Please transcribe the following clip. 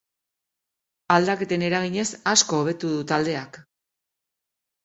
Aldaketen eraginez, asko hobetu du taldeak.